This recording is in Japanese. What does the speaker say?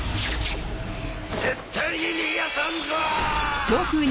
絶対に逃がさんぞ！